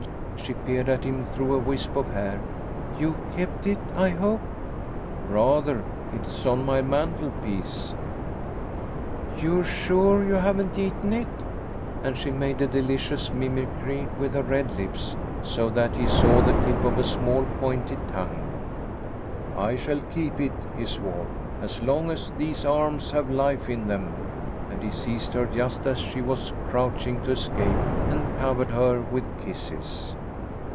She peered at him through a wisp of hair. "You've kept it, I hope." "Rather. It's on my mantelpiece " "You're sure you haven't eaten it?" and she made a delicious mimicry with her red lips, so that he saw the tip of a small pointed tongue. "I shall keep it," he swore, "as long as these arms have life in them," and he seized her just as she was crouching to escape, and covered her with kisses.